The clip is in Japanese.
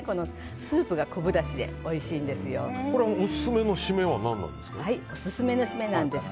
スープが昆布だしでオススメのシメは何ですか？